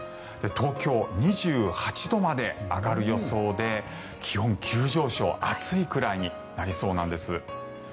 東京、２８度まで上がる予想で気温、急上昇暑いくらいになりそうなんです。